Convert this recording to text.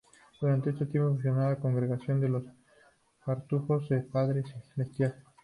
Durante ese tiempo fundó la Congregación de los Cartujos del Padre Celestial.